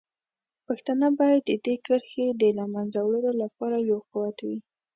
پښتانه باید د دې کرښې د له منځه وړلو لپاره یو قوت وي.